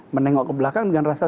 menengok kebelakang dengan rasa syukur